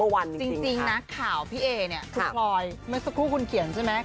จริงค่าพี่เอสุพรอยไม่ซะคู่คุณเขียนใช่ไหม